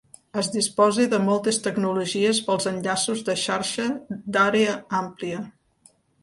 Es disposa de moltes tecnologies per als enllaços de xarxa d'àrea àmplia.